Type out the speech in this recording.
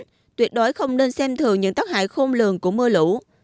không tránh tuyệt đối không nên xem thường những tóc hài khôn lường của mưa lũ